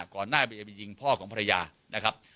ก่อนหน้าจะไปยิงพ่อกับพระยานะครับ